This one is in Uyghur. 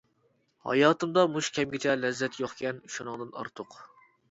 ھاياتىمدا مۇشۇ كەمگىچە، لەززەت يوقكەن شۇنىڭدىن ئارتۇق.